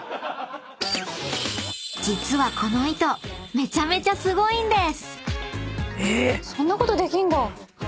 ［実はこの糸めちゃめちゃすごいんです！］